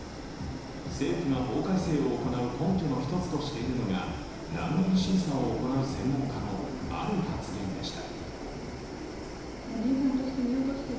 政府が法改正を行う根拠の１つとしているのが難民審査を行う専門家のある発言でした。